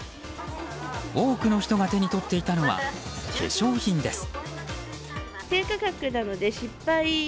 多くの人が手に取っていたのは化粧品です。